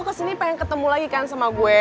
lu kesini pengen ketemu lagi kan sama gua